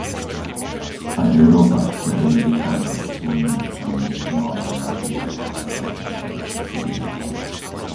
Ak Európa chce dobre vychádzať so svojimi občanmi, mala by navždy rešpektovať zásadu subsidiarity.